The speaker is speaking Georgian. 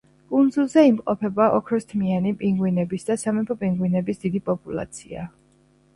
კუნძულებზე იმყოფება ოქროსთმიანი პინგვინების და სამეფო პინგვინების დიდი პოპულაცია.